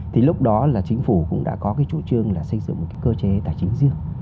thì lúc đó là chính phủ cũng đã có cái chủ trương là xây dựng một cái cơ chế tài chính riêng